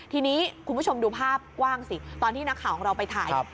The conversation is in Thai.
ทีนี้คุณผู้ชมดูภาพกว้างสิตอนที่นักข่าวของเราไปถ่าย